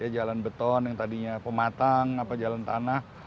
jalan beton yang tadinya pematang jalan tanah